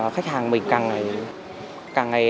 khách hàng mình càng ngày